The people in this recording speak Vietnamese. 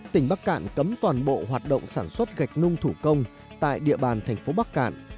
tỉnh bắc cạn cấm toàn bộ hoạt động sản xuất gạch nung thủ công tại địa bàn thành phố bắc cạn